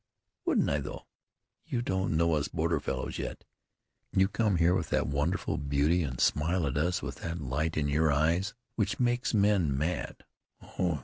"Wouldn't I though? You don't know us border fellows yet. You come here with your wonderful beauty, and smile at us with that light in your eyes which makes men mad.